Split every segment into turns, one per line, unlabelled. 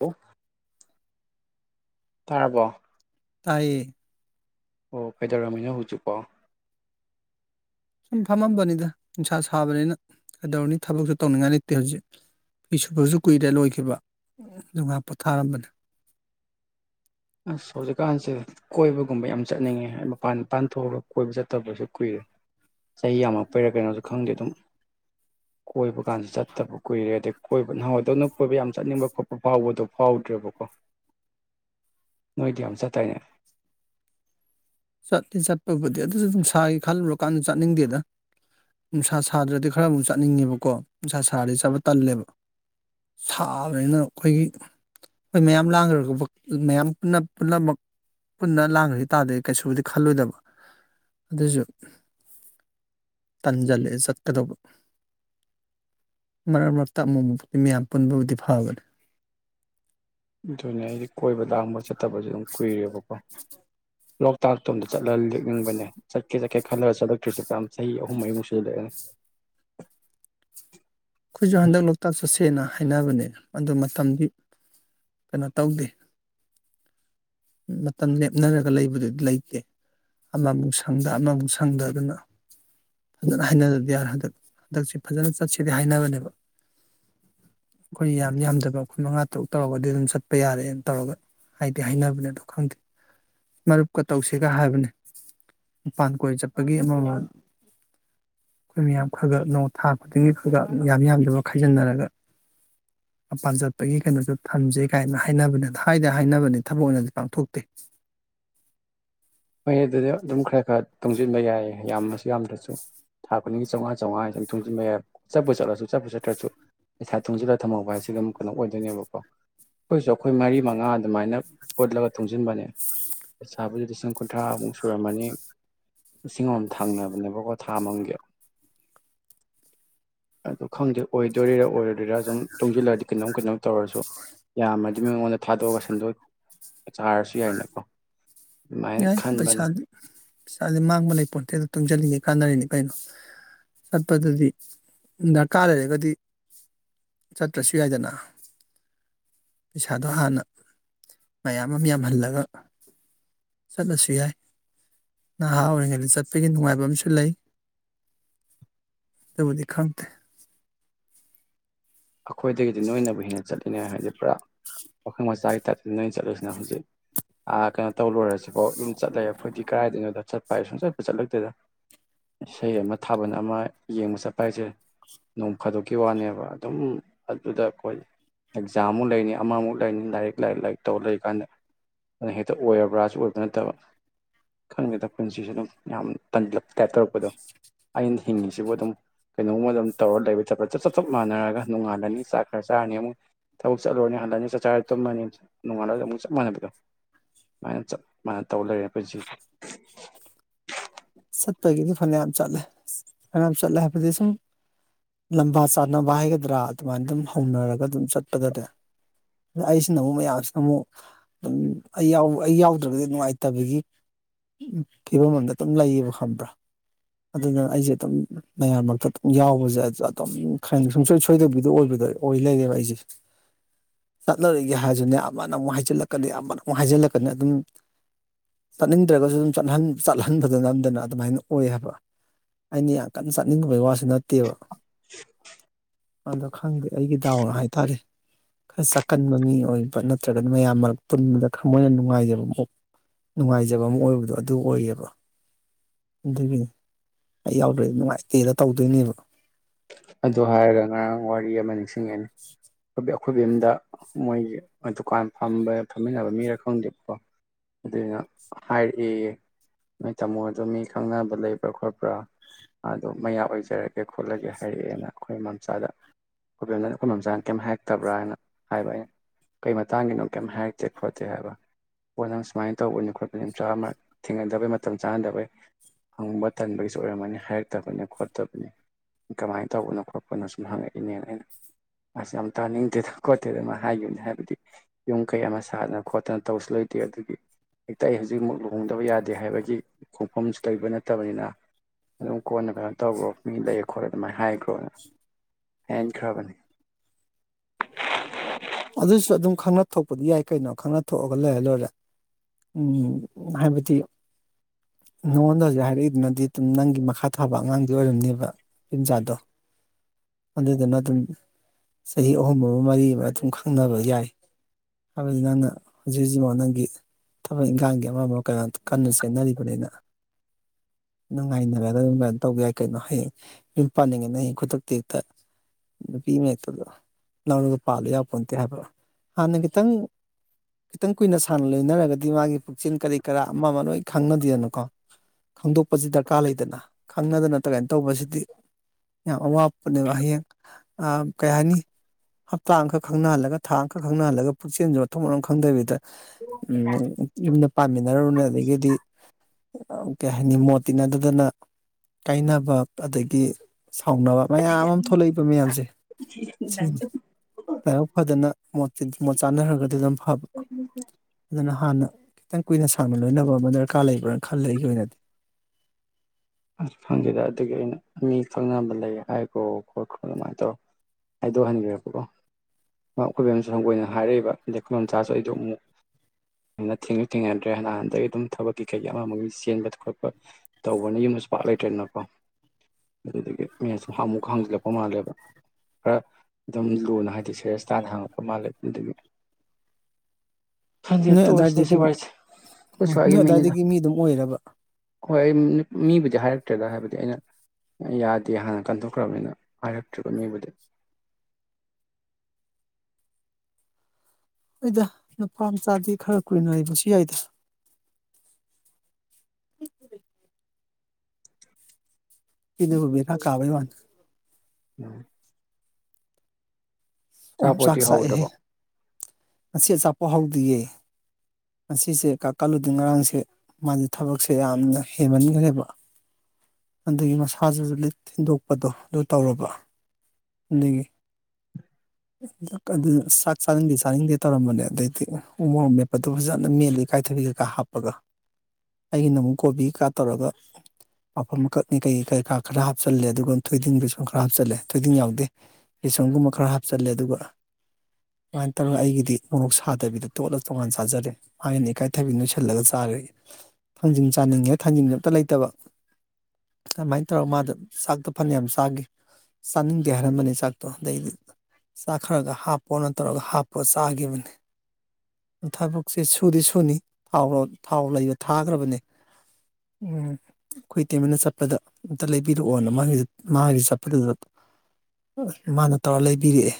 hello ꯇꯥꯔꯕꯣ
ꯇꯥꯌꯦ
ꯑꯣ ꯀꯩꯗꯧꯔꯝꯃꯤꯅꯣ ꯍꯧꯖꯤꯛꯀꯣ
ꯁꯨꯝ ꯐꯝꯃꯝꯕꯅꯤꯗ ꯏꯟꯁꯥ ꯁꯥꯕꯅꯤꯅ ꯀꯩꯗꯧꯔꯅꯤ ꯊꯕꯛꯁꯨ ꯇꯧꯅꯤꯡꯉꯥꯏ ꯂꯩꯇꯦ ꯍꯧꯖꯤꯛ ꯐꯁꯨꯕꯁꯨ ꯀꯨꯏꯔꯦ ꯂꯣꯏꯈꯤꯕ ꯑꯗꯨ ꯉꯥꯏꯍꯥꯛ ꯄꯣꯊꯥꯔꯝꯕꯅꯤ
ꯑꯁ ꯍꯧꯖꯤꯛꯀꯥꯟꯁꯦ ꯀꯣꯏꯕꯒꯨꯝꯕ ꯌꯥꯝ ꯆꯠꯅꯤꯡꯉꯦ ꯃꯄꯥꯟ ꯢꯄꯥꯟ ꯊꯣꯛꯑꯒ ꯀꯣꯏꯕ ꯆꯠꯇꯕꯁꯨ ꯀꯨꯏꯔꯦ ꯆꯍꯤ ꯌꯥꯝꯃꯛꯄꯩꯔ ꯀꯩꯅꯣꯁꯨ ꯈꯪꯗꯦ ꯑꯗꯨꯝ ꯀꯣꯏꯕ ꯀꯥꯟꯗ ꯆꯠꯇꯕ ꯀꯨꯏꯔꯦ ꯑꯗꯩ ꯀꯣꯏꯕ ꯅꯍꯥꯟꯋꯥꯢꯗꯧꯅ ꯑꯀꯣꯏꯕ ꯌꯥꯝ ꯆꯠꯅꯤꯡꯕ ꯈꯣꯠꯄ ꯐꯥꯎꯕꯗꯣ ꯐꯥꯎꯗ꯭꯭ꯔꯦꯕꯀꯣ ꯅꯣꯏꯗꯤ ꯌꯥꯝ ꯆꯠꯇꯥꯏꯅꯦ
ꯆꯠꯂꯤ ꯆꯠꯄꯕꯨꯗꯤ ꯑꯗꯨꯁꯨ ꯅꯨꯡꯁꯥꯒꯤ ꯈꯜꯂꯨꯔꯀꯥꯟꯗ ꯆꯠꯅꯤꯡꯗꯦꯗ ꯅꯨꯡꯁꯥ ꯁꯥꯗ꯭ꯔꯗꯤ ꯈꯔ ꯑꯃꯨꯛ ꯆꯠꯅꯤꯡꯉꯦꯕꯀꯣ ꯅꯨꯡꯁꯥ ꯁꯥꯔꯗꯤ ꯆꯠꯄ ꯇꯜꯂꯦꯕ ꯁꯥꯕꯅꯤꯅ ꯑꯩꯈꯣꯏꯒꯤ ꯑꯩꯈꯣꯏ ꯃꯌꯥꯝ ꯂꯥꯡꯈ꯭ꯔꯒ ꯃꯌꯥꯝ ꯄꯨ ꯄꯨꯝꯅꯃꯛ ꯄꯨꯟꯅ ꯂꯥꯡꯈ꯭ꯔꯗꯤ ꯇꯥꯗꯦ ꯀꯩꯁꯨꯕꯨꯗꯤ ꯈꯜꯂꯣꯏꯗꯕ ꯑꯗꯨꯁꯨ ꯇꯟꯖꯜꯂꯛꯑꯦ ꯆꯠꯀꯗꯧꯕ ꯃꯔꯛ ꯃꯔꯛꯇ ꯑꯃꯨꯛ ꯃꯗꯤ ꯃꯌꯥꯝ ꯄꯨꯟꯕꯕꯨꯗꯤ ꯐꯕꯅꯤ
ꯑꯗꯨꯅꯦ ꯑꯩꯗꯤ ꯀꯣꯏꯕ ꯂꯥꯡꯕ ꯆꯠꯇꯕꯁꯨ ꯑꯗꯨꯝ ꯀꯨꯏꯔꯦꯕꯀꯣ ꯂꯣꯛꯇꯥꯛꯇꯣ ꯑꯝꯗ ꯆꯠꯂ ꯂꯦꯛꯅꯤꯡꯕꯅꯦ ꯆꯠꯀꯦ ꯆꯠꯀꯦ ꯈꯜꯂꯒ ꯆꯠꯂꯛꯇ꯭ꯔꯤꯁꯦ ꯐꯅꯌꯥꯝ ꯆꯍꯤ ꯑꯍꯨꯝ ꯃꯔꯤꯃꯨꯛꯁꯨꯁꯤꯜꯂꯛꯑꯦ
ꯑꯩꯈꯣꯏꯁꯨ ꯍꯟꯗꯛ ꯂꯣꯛꯇꯥꯛ ꯆꯠꯁꯦꯅ ꯍꯥꯏꯅꯕꯅꯦ ꯑꯗꯨ ꯃꯇꯝꯗꯤ ꯀꯩꯅꯣ ꯇꯧꯗꯦ ꯃꯇꯝ ꯂꯦꯞꯅꯔꯒ ꯂꯩꯕꯗꯨꯗꯤ ꯂꯩꯇꯦ ꯑꯃꯃꯨꯛ ꯁꯪꯗ ꯑꯃꯃꯨꯛ ꯁꯪꯗ ꯑꯗꯨꯅ ꯐꯅ ꯍꯥꯏꯅꯗꯗꯤ ꯌꯥꯔ ꯍꯟꯗꯛꯁꯦ ꯐꯖꯅ ꯆꯠꯁꯗꯤ ꯍꯥꯏꯅꯕꯅꯦꯕ ꯑꯩꯈꯣꯏ ꯌꯥꯝ ꯌꯥꯝꯗꯕ ꯑꯩꯈꯣꯏ ꯃꯉꯥ ꯇꯔꯨꯛ ꯇꯧꯔꯒꯗꯤ ꯑꯗꯨꯝ ꯆꯠꯄ ꯌꯥꯔꯦꯅ ꯇꯧꯔꯒ ꯍꯥꯏꯗꯤ ꯍꯥꯏꯅꯕꯅꯦꯕ ꯑꯗꯨ ꯈꯪꯗꯦ ꯃꯔꯨꯞꯀ ꯇꯧꯁꯤꯒ ꯍꯥꯏꯕꯅꯦ ꯃꯄꯥꯟ ꯀꯣꯏ ꯆꯠꯄꯒꯤ ꯑꯃꯃ ꯑꯩꯈꯣꯏ ꯃꯌꯥꯝ ꯈꯔꯒ ꯅꯣꯡ ꯊꯥ ꯈꯨꯗꯤꯡꯒꯤ ꯈꯔ ꯈ ꯌꯥꯝ ꯌꯥꯝꯖꯕ ꯈꯥꯏꯖꯤꯟꯅꯔꯒ ꯃꯄꯥꯟ ꯆꯠꯄꯒꯤ ꯀꯩꯅꯣꯁꯨ ꯊꯝꯁꯦ ꯀꯥꯏꯅ ꯍꯥꯏꯅꯕꯅꯦ ꯍꯥꯏꯗꯤ ꯍꯥꯏꯅꯕꯅꯦ ꯊꯥꯢꯅ ꯍꯥꯢꯅꯕꯅꯦ ꯊꯕꯛ ꯑꯣꯏꯅꯗꯤ ꯄꯥꯡꯊꯣꯛꯇꯦ
ꯊꯨꯡꯁꯤꯟꯕ ꯌꯥꯏ ꯌꯥꯝꯃꯁꯨ ꯌꯥꯝꯗ꯭ꯔꯁꯨ ꯊꯥ ꯈꯨꯗꯤꯡꯒꯤ ꯆꯥꯝꯃꯉꯥ ꯆꯥꯝꯉꯥ ꯍꯥꯏ ꯁꯨꯝ ꯊꯨꯡꯖꯤꯟꯕ ꯌꯥꯏ ꯆꯠꯄ ꯆꯠꯂꯁꯨ ꯆꯠꯄ ꯆꯠꯇ꯭ꯔꯁꯨ ꯏꯁꯩꯁꯥ ꯊꯨꯡꯖꯤꯜꯂꯒ ꯊꯝꯍꯧꯕ ꯍꯥꯏꯁꯤꯒ ꯑꯗꯨꯝ ꯀꯩꯅꯣ ꯑꯣꯏꯗꯣꯏꯅꯦꯕꯀꯣ ꯑꯩꯈꯣꯏꯁꯨ ꯑꯩꯈꯣꯏ ꯃꯔꯤ ꯃꯉꯥ ꯑꯗꯨꯃꯥꯏꯅ ꯄꯣꯠꯂꯒ ꯊꯨꯡ ꯕꯅꯦ ꯄꯩꯁꯥꯕꯨꯗꯤ ꯂꯤꯁꯤꯡ ꯀꯨꯟ ꯀꯨꯟꯊ꯭ꯔꯥꯃꯨꯛ ꯁꯨꯔꯝꯃꯅꯤ ꯂꯤꯁꯤꯡ ꯑꯃꯝ ꯊꯪꯅꯕꯅꯦꯕꯀꯣ ꯊꯥ ꯃꯝꯒꯤ ꯑꯗꯨ ꯈꯪꯗꯦ ꯑꯣꯏꯗꯣꯔꯤꯔꯥ ꯑꯣꯏꯔꯗꯣꯏꯔꯥ ꯗꯨꯝ ꯇꯨꯡꯁꯤꯜꯂꯑꯗꯤ ꯀꯩꯅꯣꯝ ꯀꯩꯅꯣ ꯇꯧꯔꯁꯨ ꯌꯥꯝꯃꯗꯤ ꯃꯤ ꯃꯉꯣꯟꯗ ꯊꯥꯗꯣꯛꯑꯒ ꯁꯟꯗꯣꯢ ꯆꯥꯔꯁꯨ ꯌꯥꯏꯗꯅꯀꯣ
ꯌꯥꯏ ꯄꯩꯁꯥꯗꯤ ꯥꯥꯁ ꯃꯥꯡꯕ ꯂꯩ ꯄꯣꯟꯊꯦꯗ ꯇꯨꯡꯁꯤꯜꯂꯤꯉꯩ ꯀꯥꯟꯅꯔꯤꯅꯤ ꯀꯩꯅꯣ ꯆꯠꯄꯗꯗꯤ ꯗꯔꯀꯥꯔ ꯂꯩꯔꯒꯗꯤ ꯆꯠꯇ꯭ꯔꯁꯨ ꯌꯥꯏꯗꯅ ꯄꯩꯁꯥꯗꯣ ꯍꯥꯟꯅ ꯃꯌꯥꯝ ꯑꯃ ꯌꯥꯝꯍꯜꯂꯒ ꯆꯠꯂꯁꯨ ꯌꯥꯏ ꯅꯍꯥ ꯑꯣꯏꯔꯤꯉꯩꯗ ꯆꯠꯄꯒꯤ ꯅꯨꯡꯉꯥꯏꯕ ꯑꯃꯁꯨ ꯂꯩ ꯑꯗꯨꯕꯨꯗꯤ ꯈꯪꯗꯦ
ꯑꯩꯈꯣꯏꯗꯒꯤꯗꯤ ꯅꯣꯏꯅꯕꯨ ꯍꯦꯟꯅ ꯆꯠꯂꯤ ꯁꯤꯅꯦ ꯍꯥꯏꯗꯤ ꯄꯨꯔꯥ ꯋꯥꯈꯪ ꯃꯆꯥꯒꯤ ꯇꯥꯏꯞꯇ ꯅꯣꯢ ꯆꯠꯂꯤꯁꯤꯅ ꯍꯧꯖꯤꯛ ꯑꯥ ꯀꯩꯅꯣ ꯇꯧ ꯂꯣꯏꯔꯁꯤꯐꯧ ꯑꯗꯨꯝ ꯆꯠꯂꯩ ꯑꯩꯈꯣꯏꯗꯤ ꯀꯗꯥꯥꯏꯗꯩꯅꯣꯗ ꯆꯠꯄ ꯍꯥꯏ ꯁꯨꯡ ꯆꯠꯄ ꯆꯠꯂꯛꯇꯦꯗ ꯏꯁꯩ ꯑꯃ ꯊꯥꯕꯜ ꯑꯃ ꯌꯦꯡꯕ ꯆꯠꯄ ꯍꯥꯏꯁꯦ ꯅꯣꯡ ꯐꯥꯗꯣꯛꯀꯤ ꯋꯥꯅꯦꯕ ꯑꯗꯨꯝ ꯑꯗꯨꯗ ꯑꯩꯈꯣꯏ ꯑꯦꯛꯖꯥꯝꯃꯨꯛ ꯂꯩꯅꯤ ꯑꯃꯃꯨꯛ ꯂꯩꯅꯤ ꯂꯥꯏꯔꯤꯛ ꯂꯥꯏꯔꯤꯛ ꯂꯥꯏꯔꯤꯛ ꯇꯧꯔ ꯂꯩꯔꯤꯀꯥꯟꯗ ꯑꯗꯨꯅ ꯍꯦꯛꯇ ꯑꯣꯏꯔꯕ꯭ꯔꯥꯁꯨ ꯑꯣꯏꯕ ꯅꯠꯇꯕ ꯈꯪꯉꯦꯗ ꯄꯨꯟꯁꯤꯁꯨ ꯑꯗꯨꯝ ꯌꯥꯝ ꯇꯟꯂꯞ ꯇꯥꯏꯞ ꯇꯧꯔꯛꯄꯗꯣ ꯑꯩꯅ ꯍꯤꯡꯉꯤꯁꯤꯕꯨ ꯑꯗꯨꯝ ꯀꯩꯅꯣꯝꯕ ꯑꯗꯨꯝ ꯇꯧꯔ ꯂꯩꯕ ꯆꯠꯄ ꯆꯞ ꯆꯞ ꯆꯞ ꯃꯥꯟꯅꯔꯒ ꯈ ꯅꯣꯡꯉꯥꯂꯅꯤ ꯆꯥꯛ ꯈꯔ ꯆꯥꯔꯅꯤ ꯑꯃꯨꯛ ꯊꯕꯛ ꯆꯠꯂꯨꯔꯅꯤ ꯍꯜꯂꯅꯤ ꯆꯥꯛ ꯆꯥꯔ ꯇꯨꯝꯃꯅꯤ ꯅꯣꯡꯉꯥꯂꯨꯔ ꯑꯃꯨꯛ ꯆꯞ ꯃꯥꯟꯅꯕꯗꯣ ꯑꯗꯨꯃꯥꯏꯅ ꯃꯥꯅ ꯇꯧ ꯂꯩꯔꯦ ꯑꯩꯈꯣꯏ ꯖꯤ
ꯆꯠꯄꯒꯤꯗꯤ ꯐꯅꯌꯥꯝ ꯆꯠꯂꯦ ꯐꯅꯌꯥꯝ ꯆꯠꯂꯦ ꯍꯥꯏꯕꯗꯤ ꯁꯨꯝ ꯂꯝꯕꯥ ꯆꯥꯟꯅꯕ ꯍꯥꯏꯒꯗ꯭ꯔꯥ ꯑꯗꯨꯃꯥꯏꯅ ꯑꯗꯨꯝ ꯍꯧꯅꯔꯒ ꯑꯗꯨꯝ ꯆꯠꯄꯗꯗꯤ ꯑ ꯑꯩꯁꯤꯅ ꯑꯃꯨꯛ ꯃꯌꯥꯝꯁꯤꯅ ꯑꯃꯨꯛ ꯑꯗꯨꯝ ꯑꯩ ꯑꯩ ꯌꯥꯎꯗ꯭ꯔꯒꯗꯤ ꯅꯨꯡꯉꯥꯏꯇꯕꯒꯤ ꯐꯤꯕꯝ ꯑꯝꯗ ꯑꯗꯨꯝ ꯂꯩꯌꯦꯕ ꯈꯕ꯭ꯔꯥ ꯑꯗꯨꯅ ꯑꯩꯁꯦ ꯑꯗꯨꯝ ꯃꯌꯥꯝ ꯃꯔꯛꯇ ꯑꯗꯨꯝ ꯌꯥꯎꯕꯁꯦ ꯑꯗꯨꯝ ꯈ ꯁꯨꯡꯁꯣꯏ ꯁꯣꯏꯗꯕꯤꯗꯣ ꯑꯣꯏꯕꯗꯣ ꯑꯣꯏ ꯂꯩꯔꯦꯕ ꯑꯩꯖꯦ ꯆꯠꯂꯔꯣꯢꯒꯦ ꯍꯥꯏꯔꯁꯨꯅꯦ ꯑꯃꯅ ꯑꯃꯨꯛ ꯍꯥꯏꯖꯤꯜꯂꯛꯀꯅꯤ ꯑꯃꯅ ꯑꯃꯨꯛ ꯍꯥꯏꯖꯤꯜꯂꯛꯀꯅꯤ ꯑꯗꯨꯝ ꯆꯠꯅꯤꯡꯗ꯭ꯔꯒꯁꯨ ꯑꯗꯨꯝ ꯆꯠꯍꯟ ꯆꯠꯍꯟꯕꯗ ꯅꯝꯗꯅ ꯑꯗꯨꯃꯥꯏꯅ ꯑꯣꯏ ꯍꯥꯏꯕ ꯑꯩꯅ ꯌꯥꯝ ꯀꯟꯅ ꯆꯠꯅꯤꯡꯉꯕꯒꯤ ꯋꯥꯁꯨ ꯅꯠꯇꯦꯕ ꯑꯗꯣ ꯈꯪꯗꯦ ꯑꯩꯒꯤ ꯗꯥꯎꯅ ꯍꯥꯏꯇꯥꯔꯦ ꯈꯔ ꯆꯀꯟꯕ ꯃꯤ ꯑꯣꯏꯕ ꯅꯠꯇ꯭ꯔꯒꯅ ꯃꯌꯥꯝ ꯃꯔꯛ ꯄꯨꯟꯕꯗ ꯈꯔ ꯃꯣꯏꯅ ꯅꯨꯡꯉꯥꯏꯖꯕ ꯅꯨꯡꯉꯥꯏꯖꯕ ꯑꯃ ꯑꯣꯏꯕꯗꯣ ꯑꯗꯨ ꯑꯣꯏꯌꯦꯕ ꯑꯗꯨꯒꯤ ꯑꯩ ꯌꯥꯎꯗ꯭ꯔꯦ ꯅꯨꯡꯉꯥꯏꯇꯦꯗ ꯇꯧꯗꯣꯏꯅꯦꯕ
ꯑꯗꯨ ꯍꯥꯏꯔꯒ ꯉꯔꯥꯡ ꯋꯥꯔꯤ ꯑꯃ ꯅꯤꯡꯁꯤꯡ [inaudible] ꯈꯣꯏꯕꯤꯝꯗ ꯃꯣꯏꯒꯤ ꯗꯨꯀꯥꯟ ꯐꯝꯕ ꯐꯝꯃꯤꯟꯅꯕ ꯃꯤꯔ ꯈꯪꯗꯦꯕꯀꯣ ꯑꯗꯨꯅ ꯍꯥꯏꯔꯛꯑ ꯅꯣꯏ ꯇꯥꯃꯣꯗꯣ ꯃꯤ ꯈꯪꯅꯕ ꯂꯩꯕ꯭ꯔꯥ ꯈꯣꯠꯄ꯭ꯔꯥ ꯑꯗꯣ ꯃꯌꯥ ꯑꯣꯏꯖꯔꯒꯦ ꯈꯣꯠꯂꯒꯦ ꯍꯥꯏꯔꯛꯑꯦꯅ ꯑꯩꯈꯣꯏ ꯃꯝꯆꯥꯗ ꯈꯣꯏꯕꯂꯦꯝꯖꯅ ꯑꯩꯈꯣꯏ ꯃꯝꯆꯥꯅ ꯀꯩꯝ ꯍꯥꯏꯔꯛꯇꯕ꯭ꯔꯥ ꯍꯥꯏꯅ ꯍꯥꯏꯕ ꯑꯩꯅ ꯀꯩ ꯃꯇꯥꯡꯒꯤꯅꯣ ꯀꯩꯝ ꯍꯥꯏꯔꯛꯇꯦ ꯈꯣꯠꯇꯦ ꯍꯥꯏꯕ ꯍꯣ ꯅꯪ ꯁꯨꯃꯥꯏꯅ ꯇꯧꯕꯅꯤ ꯈꯣꯠꯄꯅꯤ ꯃꯆꯥ ꯑꯃ ꯊꯦꯡꯅꯟꯗꯕꯩ ꯃꯇꯝ ꯆꯥꯅꯗꯕꯩ ꯍꯪꯕ ꯇꯟꯕꯒꯤꯁꯨ ꯑꯣꯏꯔꯝꯒꯅꯤ ꯍꯥꯏꯔꯛꯇꯕꯅꯤ ꯈꯣꯠꯇꯕꯅꯤ ꯀꯃꯥꯏꯅ ꯇꯧꯕꯅꯣ ꯈꯣꯠꯄꯅꯣ ꯁꯨꯝ ꯍꯪꯉꯛꯏꯅꯦꯅ ꯑꯩꯅ ꯑꯁ ꯌꯥꯝ ꯇꯥꯅꯤꯡꯗꯦꯗꯅ ꯈꯣꯠꯇꯦꯗꯅ ꯍꯥꯏꯈꯤꯕꯅꯤ ꯍꯥꯏꯕꯗꯤ ꯌꯨꯝ ꯀꯩ ꯑꯃ ꯁꯥꯗꯅ ꯈꯣꯠꯇꯅ ꯇꯧꯁꯨ ꯂꯩꯇꯦ ꯑꯗꯨꯒꯤ ꯍꯦꯛꯇ ꯑꯩ ꯍꯧꯖꯤꯛꯃꯛꯨꯛ ꯂꯨꯍꯣꯡꯗꯕ ꯌꯥꯗꯦ ꯍꯥꯏꯕꯒꯤ ꯈꯣꯡꯐꯝꯁꯨ ꯂꯩꯕ ꯅꯠꯇꯕꯅꯤꯅ ꯑꯗꯨꯝ ꯀꯣꯟꯅ ꯀꯩꯅꯣ ꯇꯧꯕꯣ ꯃꯤ ꯂꯩ ꯑꯩꯈꯣꯏ ꯑꯗꯨꯃꯥꯏꯅ ꯍꯥꯏꯈ꯭ꯔꯣꯅ ꯍꯦꯟꯈ꯭ꯔꯕꯅꯤ
ꯑꯗꯨꯁꯨ ꯑꯗꯨꯝ ꯈꯪꯅ ꯊꯣꯛꯄꯗꯤ ꯌꯥꯏ ꯀꯩꯅꯣ ꯈꯪꯅ ꯊꯣꯛꯑꯒ ꯂꯩꯣꯏꯔ ꯂꯣꯏꯔꯦ ꯎꯝ ꯍꯥꯏꯕꯗꯤ ꯅꯉꯣꯟꯗ ꯍꯧꯖꯤꯛ ꯍꯥꯏꯔꯛꯏꯗꯨꯅꯗꯤ ꯑꯗꯨꯝ ꯅꯪꯒꯤ ꯃꯈꯥ ꯊꯥꯕ ꯑꯉꯥꯡꯗꯤ ꯑꯣꯏꯔꯝꯅꯦꯕ ꯏꯄꯤꯤꯟꯆꯥꯗꯣ ꯑꯗꯨꯗꯨꯅ ꯑꯗꯨꯝ ꯆꯍꯤ ꯑꯍꯨꯝ ꯑꯃ ꯃꯔꯤ ꯑꯃ ꯑꯗꯨꯝ ꯈꯪꯅꯕ ꯌꯥꯏ ꯍꯥꯏꯕꯗꯤ ꯅꯪꯅ ꯍꯧꯖꯤꯛ ꯍꯧꯖꯤꯛꯃꯛꯥꯎ ꯅꯪꯒꯤ ꯊꯕꯛ ꯏꯪꯈꯥꯡꯒꯤ ꯑꯃ ꯑꯃ ꯀꯩꯅꯣ ꯀꯟꯅ ꯆꯦꯟꯅꯔꯤꯕꯅꯤꯅ ꯅꯨꯡꯉꯥꯏꯅꯔꯒ ꯑꯗꯨꯝ ꯀꯥꯏ ꯇꯧꯕ ꯌꯥꯏ ꯀꯩꯅꯣ ꯍꯌꯦꯡ ꯌꯨꯝ ꯄꯥꯅꯤꯡꯉꯦꯅ ꯍꯌꯦꯡ ꯈꯨꯗꯛꯇ ꯍꯦꯛꯇ ꯅꯨꯄꯤ ꯃꯦꯛꯇꯗꯣ ꯂꯧꯔꯒ ꯄꯥꯜꯂ ꯌꯥꯎ ꯇꯦ ꯍꯥꯏꯕ ꯍꯥꯟꯅ ꯈꯤꯇꯪ ꯈꯤꯇꯪ ꯀꯨꯏꯅ ꯁꯥꯟꯅ ꯂꯣꯏꯅꯔꯒꯗꯤ ꯃꯥꯒꯤ ꯄꯨꯛꯆꯦꯜ ꯀꯔꯤ ꯀꯔꯥ ꯑꯃ ꯑꯃ ꯂꯣꯏ ꯈꯪꯅꯗꯦꯗꯅꯀꯣ ꯈꯪꯗꯣꯛꯄꯁꯤ ꯗꯔꯀꯥꯔ ꯂꯩꯗꯅ ꯈꯪꯅꯗꯅ ꯇ ꯀꯥꯏꯅ ꯇꯧꯕꯁꯤꯗꯤ ꯌꯥꯝ ꯑꯋꯥꯠꯄꯅꯦꯕ ꯍꯌꯦꯡ ꯀꯩ ꯍꯥꯏꯅꯤ ꯍꯞꯇꯥ ꯑꯃꯈꯛ ꯈꯪꯅꯍꯜꯂꯒ ꯊꯥꯡ ꯑꯃꯈꯛ ꯈꯪꯅꯍꯜꯂꯒ ꯄꯨꯛꯆꯦꯟꯁꯨ ꯑ ꯊꯊꯧ ꯃꯝ ꯈꯪꯗꯕꯤꯗ ꯎꯝ ꯌꯨꯝꯗ ꯄꯥꯟꯃꯤꯟꯅꯔꯨꯅꯦ ꯑꯗꯒꯤꯗꯤ ꯀꯩ ꯍꯥꯏꯅꯤ ꯃꯣꯠ ꯇꯤꯟꯅꯗꯗꯅ ꯀꯥꯏꯅꯕ ꯑꯗꯒꯤ ꯁꯥꯎꯅꯕ ꯃꯌꯥꯝ ꯑꯃ ꯊꯣꯛꯂꯛꯏꯕ ꯃꯌꯥꯝꯁꯦ ꯁꯤꯅꯤ ꯂꯥꯏꯕꯛ ꯐꯗꯅ ꯃꯣꯠ ꯆꯥꯅꯈ꯭ꯔꯒꯗꯤ ꯑꯗꯨꯝ ꯐꯕ
ꯎꯝ ꯎꯝ
ꯑꯗꯨꯅ ꯍꯥꯟꯅ ꯈꯤꯇꯪ ꯀꯨꯏꯅ ꯁꯥꯡꯅ ꯂꯣꯏꯅꯕ ꯑꯃ ꯗꯔꯀꯥꯔ ꯂꯩꯕ꯭ꯔꯥꯅ ꯈꯜꯂꯦ ꯑꯩꯒꯤ ꯑꯣꯏꯅꯗꯤ
ꯑꯁ ꯈꯪꯗꯦꯗ ꯑꯗꯨꯒꯤ ꯑꯩꯅ ꯃꯤ ꯈꯪꯅꯕ ꯂꯩ ꯍꯥꯏꯈ꯭ꯔꯣ ꯈꯣꯠꯈ꯭ꯔꯣ ꯑꯗꯨꯃꯥꯏꯅ ꯇꯧꯔꯣ ꯍꯥꯏꯗꯣꯛꯍꯟꯈ꯭ꯔꯦꯕꯀꯣ ꯑꯩꯀꯣꯏꯕ ꯑꯃꯁꯨ ꯍꯪꯒꯣꯏꯅ ꯍꯥꯏꯔꯛꯏꯕ ꯑꯗꯩ ꯈꯨꯣꯏ ꯃꯆꯥꯁꯨ ꯑꯩꯗꯣ ꯑꯃꯨꯛ ꯑꯩꯅ ꯊꯦꯡꯁꯨ ꯊꯦꯡꯅꯗ꯭ꯔꯦ ꯍꯅ ꯍꯥꯟꯗꯒꯤ ꯑꯗꯨꯝ ꯊꯕꯛꯀꯤ ꯀꯩꯀꯩ ꯑꯃꯃ ꯃꯤ ꯆꯦꯟꯕ ꯈꯣꯠꯄ ꯇꯧꯕꯅ ꯌꯨꯝꯁꯨ ꯄꯥꯛ ꯂꯩꯇ꯭ꯔꯦꯗꯅꯀꯣ ꯑꯗꯨꯗꯒꯤ ꯃ ꯁꯨꯝ ꯑꯃꯨꯛ ꯍꯥꯡꯖꯤꯜꯂꯛꯄ ꯃꯥꯜꯂꯦꯕ ꯈꯔ ꯑꯗꯨꯝ ꯂꯨꯅ ꯍꯥꯏꯗꯤ ꯁꯦꯔꯦꯁ ꯇꯥꯗ ꯍꯥꯡꯉꯛꯄ ꯃꯥꯜꯂꯦ ꯑꯗꯨꯗꯒꯤ ꯍꯟꯗꯦꯠ
ꯅꯣꯏ
ꯇꯣꯛꯁꯤ ꯇ ꯁꯤ
ꯑꯗꯥꯏꯗꯒꯤ
ꯋꯥꯔꯤꯁꯦ ꯀꯣꯏꯁꯨ ꯍꯥꯏꯏꯒꯤ
ꯅꯣꯏ
ꯃꯤꯅꯤꯗ
ꯑꯗꯥꯏꯗꯒꯤ ꯃꯤ ꯑꯗꯨꯝ ꯑꯣꯏꯔꯕ
ꯍꯣꯏ ꯃꯤꯕꯨꯗꯤ ꯍꯥꯏꯔꯛꯇ꯭ꯔꯦꯗ ꯍꯥꯏꯕꯗꯤ ꯑꯩꯅ ꯌꯥꯗꯦ ꯍꯥꯟꯅ ꯀꯟꯊꯣꯛꯈ꯭ꯔꯕꯅꯤꯅ ꯍꯥꯏꯔꯛꯇ꯭ꯔꯤꯕ ꯃꯤꯕꯨꯗꯤ
ꯑꯩꯗ ꯅꯨꯄꯥ ꯃꯆꯥꯥꯗꯤ ꯈꯔ ꯀꯨꯏꯅ ꯂꯩꯕꯁꯨ ꯌꯥꯏꯗ ꯏꯅꯦꯕꯅꯥ ꯀꯥꯕꯩ ꯋꯥꯅꯤ
ꯎꯝ
ꯑꯣꯝ ꯆꯥꯛ
ꯑꯆꯥꯄꯣꯠꯇꯤ
ꯆꯥꯏ ꯑꯦꯍꯦ
ꯍꯧꯗ꯭ꯔꯕꯣ
ꯉꯁꯤ ꯑꯆꯥꯄꯣ ꯍꯧꯥꯎꯗ꯭ꯌꯦ ꯉꯁꯤꯁꯦ ꯀꯥꯀꯠꯂꯨꯗꯤꯦ ꯉꯔꯥꯡꯁꯦ ꯃꯥꯁꯦ ꯊꯕꯛꯁꯦ ꯌꯥꯝꯅ ꯍꯦꯟꯃꯟꯈ꯭ꯔꯦꯕ ꯑꯗꯒꯤ ꯃꯁꯥꯁꯤꯁꯨ ꯂꯤꯠ ꯊꯤꯟꯗꯣꯛꯄꯗꯣ ꯑꯗꯨ ꯇꯧꯔꯕ ꯑꯗꯒꯤ ꯆꯥꯛ ꯆꯥꯅꯤꯡꯗꯦ ꯆꯥꯅꯤꯡꯗꯦ ꯇꯧꯔꯝꯕꯅꯦ ꯑꯗꯩꯗꯤ ꯎꯃꯣꯡ ꯃꯦꯞꯄꯗꯨꯣ ꯐꯖꯅ ꯃꯦꯜꯂꯨ ꯏꯀꯥꯏꯊꯕꯤ ꯀꯩꯀꯥ ꯍꯥꯞꯄꯒ ꯑꯩꯒꯤ ꯅꯃꯨꯛ ꯀꯣꯕꯤ ꯀꯥ ꯇꯧꯔꯒ ꯃꯐꯝ ꯃꯀꯛꯅꯤ ꯀꯩ ꯀꯩꯀꯥ ꯈꯔ ꯍꯥꯞꯆꯜꯂꯦ ꯑꯗꯨꯒ ꯊꯣꯏꯗꯤꯡ ꯕꯦꯁꯣꯟ ꯈꯔ ꯍꯥꯞꯆꯜꯂꯦ ꯊꯣꯏꯗꯤꯡ ꯌꯥꯎꯗꯦ ꯕꯦꯁꯣꯟꯒꯨꯝꯕ ꯈꯔ ꯍꯥꯞꯆꯤꯜꯂꯦ ꯑꯗꯨꯒ ꯁꯨꯃꯥꯏꯅ ꯇꯧꯔꯒ ꯑꯩꯒꯤꯗꯤ ꯃꯣꯔꯣꯛ ꯁꯥꯗꯕꯤꯗ ꯇꯣꯠꯂ ꯇꯣꯉꯥꯟ ꯆꯥꯖꯔꯦ ꯃꯥꯅ ꯏꯀꯥꯏꯊꯕꯤ ꯅꯣꯏꯁꯤꯜꯂꯒ ꯆꯥꯔꯦ ꯊꯥꯡꯖꯟ ꯆꯥꯅꯤꯡꯉꯦ ꯊꯥꯡꯖꯤꯡ ꯑꯝꯇ ꯂꯩꯇꯕ ꯑꯗꯨꯃꯥꯏꯅ ꯇꯧꯔꯒ ꯃꯥꯗ ꯆꯥꯛꯇꯣ ꯐꯅꯌꯥꯝ ꯆꯥꯈꯤ ꯆꯥꯅꯤꯡꯗꯦ ꯍꯥꯏꯔꯝꯕꯅꯤ ꯆꯥꯛꯇꯣ ꯑꯗꯩꯗꯤ ꯆꯥ ꯈꯔꯒ ꯍꯥꯞꯄꯣꯅ ꯇꯧꯔꯒ ꯍꯥꯞꯄꯣ ꯇꯥꯈꯤꯕꯅꯤ ꯊꯕꯛꯁꯦ ꯁꯨꯗꯤ ꯁꯨꯅꯤ ꯊꯥꯎ ꯊꯥꯎ ꯂꯩꯕ ꯊꯥꯈ꯭ꯔꯕꯅꯦ ꯑꯩꯈꯣꯏ ꯇꯦꯝꯃꯅ ꯆꯠꯄꯗ ꯑꯝꯇ ꯂꯩꯕꯤꯔꯛꯑꯣꯅ ꯃꯥꯒꯤ ꯃꯥꯒꯤ ꯆꯠꯄꯗꯨꯗ ꯃꯥꯅ ꯇꯧꯔ ꯂꯩꯕꯤꯔꯛꯑꯦ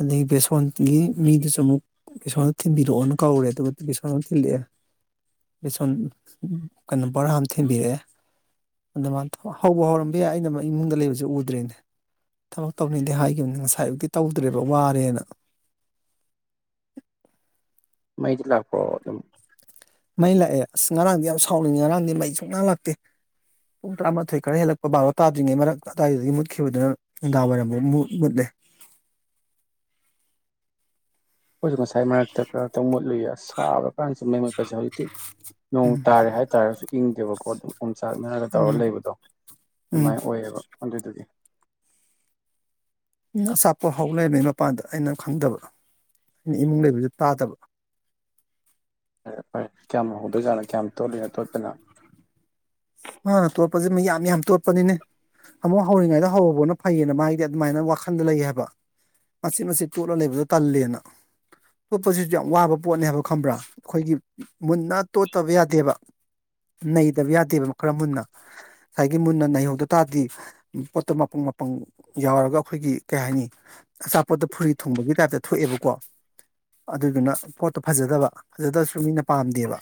ꯑꯗꯒꯤ ꯕꯦꯁꯣꯟꯒꯤ ꯃꯤꯗꯨꯁꯨ ꯑꯃꯨꯛ ꯏꯁꯣꯔꯗ ꯊꯤꯟꯕꯤꯔꯛꯑꯣꯅ ꯀꯧꯔꯦ ꯑꯗꯨꯒ ꯦꯁꯣꯔ ꯑꯃ ꯊꯤꯜꯂꯛꯑꯦ ꯕꯦꯁꯣꯟ ꯀꯩꯅꯣ ꯕꯣꯔꯥ ꯑꯃ ꯊꯤꯟꯕꯤꯔꯛꯑꯦ ꯑꯗꯨ ꯃꯥꯅ ꯍꯧꯕ ꯍꯧꯔꯝꯕ ꯌꯥꯏ ꯑꯩꯅ ꯏꯃꯨꯡꯗ ꯂꯩꯕꯁꯨ ꯎꯗ꯭ꯔꯦꯅꯦ ꯊꯕꯛ ꯇꯧꯅꯤꯡꯗꯤ ꯍꯥꯏꯈꯤꯕꯅꯤ ꯉꯁꯥꯏꯕꯨꯛꯇꯤ ꯇꯧꯗ꯭ꯔꯦꯕ ꯋꯥꯔꯦꯅ
ꯃꯩꯗꯤ ꯂꯥꯛꯄꯣ ꯑꯗꯨꯝ
ꯃꯩ ꯂꯥꯛꯑꯦ ꯑꯁ ꯉꯔꯥꯡꯗꯤ ꯌꯥꯝ ꯁꯥꯎꯅꯤꯡꯉꯦ ꯉꯔꯥꯡꯗꯤ ꯃꯩ ꯁꯨꯡ ꯉꯥꯡ ꯂꯥꯛꯇꯦ ꯄꯨꯡ ꯇꯔꯥꯃꯥꯊꯣꯏ ꯈꯔ ꯍꯦꯜꯂꯛꯄ ꯕꯥꯔꯣ ꯇꯥꯗ꯭ꯔꯤꯉꯩ ꯃꯔꯛ ꯑꯗꯨꯗꯥꯋꯥꯏꯗꯨꯗꯒꯤ ꯃꯨꯠꯈꯤꯕꯗꯨꯅ ꯅꯨꯡꯗꯥꯡ ꯋꯥꯏꯔꯝ ꯃꯨꯠꯂꯦ
ꯑꯩꯈꯣꯏꯁꯨ ꯉꯁꯥꯏ ꯃꯔꯛꯇ ꯈꯩꯅ ꯇꯧ ꯃꯣꯠꯂꯨꯏ ꯑꯁ ꯁꯥꯕ ꯀꯥꯟꯁꯨ ꯃꯩ ꯃꯨꯠꯄꯁꯦ ꯍꯧꯖꯤꯛꯇꯤ ꯅꯣꯡ ꯇꯥꯔꯦ ꯍꯥꯏꯇꯥꯥꯔꯒꯁꯨ ꯏꯪꯗꯦꯕꯀꯣ ꯈ ꯑꯗꯨ [unintelligible] ꯆꯥꯛꯅꯔꯒ
ꯎꯝ
ꯇꯧꯔ ꯂꯩꯕꯗꯣ
ꯎꯝ
ꯑꯗꯨꯃꯥꯏꯅ ꯑꯣꯏꯌꯦꯕ ꯍꯗ ꯑꯗꯨꯗꯤ
ꯑꯆꯥꯄꯣ ꯍꯧꯥꯎ ꯂꯩꯔꯝꯕꯩ ꯃꯄꯥꯟꯗ ꯑꯩꯅ ꯈꯪꯗꯕ ꯑꯩꯅ ꯏꯃꯨꯡ ꯂꯩꯕꯁꯨ ꯇꯥꯗꯕ
ꯐꯔꯦ ꯐꯔꯦ ꯀꯌꯥꯝꯍꯧꯗꯣꯏꯖꯥꯠꯅꯣ ꯀꯌꯥꯝ ꯇꯣꯠꯂꯤꯅꯣ ꯇꯣꯠꯇꯅ
ꯃꯥꯅ ꯇꯣꯠꯄꯖꯦ ꯌꯥꯝ ꯌꯥꯝ ꯇꯣꯠꯄꯅꯤꯅꯦ ꯑꯃꯨꯛ ꯍꯧꯔꯤꯉꯩꯗ ꯍꯧꯧꯕꯅ ꯐꯩꯌꯦꯅ ꯃꯥꯒꯤꯗꯤ ꯑꯗꯨꯃꯥꯏꯅ ꯋꯥꯈꯜꯗ ꯂꯩ ꯍꯥꯏꯕ ꯃꯆꯦꯠ ꯃꯆꯦꯠ ꯇꯣꯠꯂ ꯂꯩꯕꯗ ꯇꯜꯂꯦꯅ ꯇꯣꯠꯄꯁꯤꯁꯨ ꯌꯥꯝ ꯋꯥꯕ ꯄꯣꯠꯅꯦ ꯍꯥꯏꯕ ꯈꯪꯕ꯭ꯔꯥ ꯑꯩꯈꯣꯏꯒꯤ ꯃꯨꯟꯅ ꯇꯣꯠꯇꯕ ꯌꯥꯗꯦꯕ ꯅꯩꯇꯕ ꯌꯥꯗꯦꯕ ꯈꯔ ꯃꯨꯟꯅ ꯉꯁꯥꯏꯒꯤ ꯃꯨꯟꯅ ꯅꯩꯍꯧꯗ ꯇꯥꯔꯗꯤ ꯄꯣꯠꯇꯣ ꯃꯄꯪ ꯃꯄꯪ ꯌꯥꯎꯔꯒ ꯑꯩꯈꯣꯏꯒꯤ ꯀꯩ ꯍꯥꯏꯅꯤ ꯑꯆꯥꯄꯣꯠꯇ ꯐꯨꯔꯤ ꯊꯨꯡꯕꯒꯤ ꯇꯥꯏꯞꯇ ꯊꯣꯛꯑꯦꯕꯀꯣ ꯑꯗꯨꯗꯨꯅ ꯄꯣꯠꯇꯣ ꯐꯖꯗꯕ ꯐꯖꯗꯕꯁꯨ ꯃꯤꯅ ꯄꯥꯝꯗꯦꯕ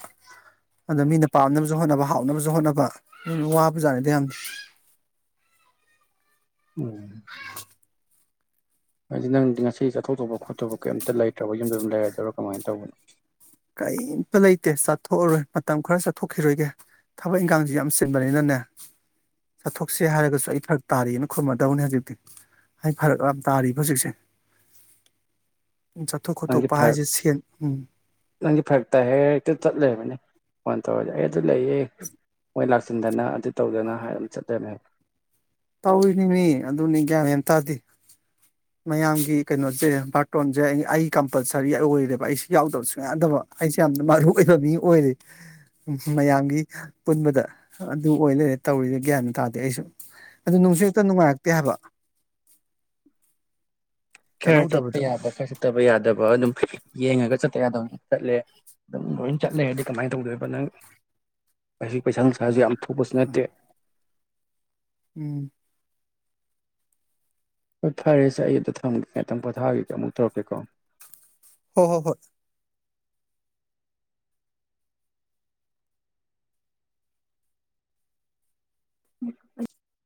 ꯑꯗꯣ ꯃꯤꯅ ꯄꯥꯝꯅꯕꯁꯨ ꯍꯣꯠꯅꯕ ꯍꯥꯎꯅꯕꯁꯨ ꯍꯣꯠꯅꯕ ꯎꯝ ꯋꯥꯕꯖꯥꯅꯤꯗ ꯌꯥꯝꯅ
ꯎꯝ ꯍꯥꯏꯗꯤ ꯅꯪꯗꯤ ꯉꯁꯤ ꯆꯠꯊꯣꯛ ꯇꯧꯕ ꯈꯣꯠꯇꯧꯕ ꯀꯩꯝꯇ ꯂꯩꯇ꯭ꯔꯕ ꯌꯨꯝꯗ ꯑꯗꯨꯝ ꯂꯩꯔꯗꯣꯏꯔꫭ ꯀꯃꯥꯏꯅ ꯇꯧꯕꯅꯣ
ꯀꯩꯝꯇ ꯂꯩꯇꯦ ꯆꯊꯣꯛꯑꯔꯣꯏ ꯃꯇꯝ ꯈꯔ ꯆꯠꯊꯣꯛꯈꯤꯔꯣꯏꯒꯦ ꯊꯕꯛ ꯏꯟꯈꯥꯡꯁꯤ ꯌꯥꯝ ꯆꯤꯟꯕꯅꯤꯅꯅꯦ ꯆꯠꯊꯣꯛꯁꯦ ꯍꯥꯏꯔꯒꯁꯨ ꯑꯩ ꯐꯔꯛ ꯇꯥꯔꯤꯑꯅ ꯈꯨꯝꯃꯗꯧꯅꯦ ꯍꯧꯖꯤꯛꯇꯤ ꯑꯩ ꯐꯔꯛ ꯌꯥꯝ ꯇꯥꯔꯤꯕ ꯍꯧꯖꯤꯛꯁꯦ ꯆꯠꯊꯣꯛ
ꯅꯪꯗꯤ
ꯈꯣꯠꯇꯣꯛꯄ
ꯐꯔꯛ
ꯍꯥꯏꯁꯦ ꯁꯦꯟ ꯎꯝ
ꯅꯪꯗꯤ ꯐꯔꯛ ꯇꯥꯏ ꯍꯥꯏꯔ ꯇ ꯆꯠ ꯂꯩꯔꯝꯃꯤꯅꯦ ꯐꯣꯟ ꯇꯧꯔꯗꯤ ꯑꯩ ꯑꯗꯨ ꯂꯩꯌꯦ ꯃꯣꯏ ꯂꯥꯛꯁꯤꯟꯗꯅ ꯑꯗꯨ ꯇꯧꯗꯅ ꯍꯥꯏꯔ ꯎꯝ ꯆꯠ [unintelligible]
ꯇꯧꯔꯤꯅꯤ ꯃꯤ ꯑꯗꯨꯅꯤ ꯒ꯭ꯌꯥꯟ ꯌꯥꯝ ꯇꯥꯗꯦ ꯃꯌꯥꯝꯒꯤ ꯀꯩꯅꯣꯁꯦ ꯕꯥꯔꯇꯣꯟꯁꯦ ꯑꯩ ꯑꯩ ꯀꯝꯄꯜꯁꯔꯤ ꯑꯣꯏꯔꯦꯕ ꯑꯩꯁꯨ ꯌꯥꯎꯗꯕ ꯁꯨꯡ ꯌꯥꯗꯕ ꯑꯩꯁꯦ ꯌꯥꯝꯅ ꯃꯔꯨ ꯑꯣꯏꯕ ꯃꯤ ꯑꯣꯏꯔꯦ ꯃꯌꯥꯝꯒꯤ ꯄꯨꯟꯕꯗ ꯑꯗꯨ ꯑꯣꯏ ꯂꯩꯔꯦ ꯇꯧꯔꯤꯁꯦ ꯒ꯭ꯌꯥꯟ ꯇꯥꯗꯦ ꯑꯩꯁꯨ ꯑꯗꯨ ꯅꯨꯡꯁꯨ ꯍꯦꯛꯇ ꯅꯨꯡꯉꯥꯏꯔꯛꯇꯦ ꯍꯥꯏꯕ
ꯈꯔ ꯆꯠꯄ
ꯆꯠꯍꯧꯗꯕꯗ
ꯌꯥꯕ ꯈꯔ ꯆꯠꯇꯕ ꯌꯥꯗꯕ ꯑꯗꯨꯝ ꯌꯦꯡꯉꯒ ꯆꯠꯇ ꯌꯥꯗꯕꯅ ꯆꯠꯂꯦ ꯑꯗꯨꯝ ꯂꯣꯏ ꯆꯠꯂꯩꯔꯗꯤ ꯀꯃꯥꯏꯅ ꯇꯧꯗꯣꯏꯕ ꯅꯪ ꯍꯧꯖꯤꯛ ꯄꯩꯁꯥ ꯅꯨꯡꯁꯥꯁꯨ ꯌꯥꯝ ꯊꯣꯛꯄꯁꯨ ꯅꯠꯇꯦ
ꯎꯝ
ꯍꯣꯏ ꯐꯔꯦꯁꯦ ꯑꯩ ꯑꯝꯇ ꯊꯝꯃꯒꯦ ꯉꯇꯪ ꯄꯣꯊꯥꯒꯤꯒꯦ ꯑꯃꯨꯛ ꯇꯧꯔꯛꯀꯦꯀꯣ
ꯍꯣ ꯍꯣ ꯍꯣꯏ
[inaudible]